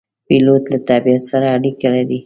پیلوټ له طبیعت سره اړیکه لري.